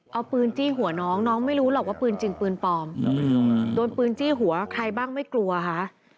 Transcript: เอาปืนจี้หัวน้องน้องไม่รู้หรอกว่าปืนจริงปืนปลอมโดนปืนจี้หัวใครบ้างไม่กลัวคะ